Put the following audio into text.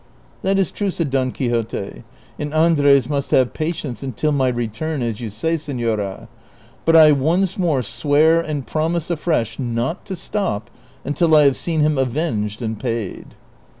" That is true," said Don Quixote, " and Andres must have patience until my return as you say, seiiora ; but I once niore swear and promise afresh not to stop until I have seen him avenged and paid."